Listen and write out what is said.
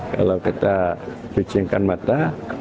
kalau kita cucikan mata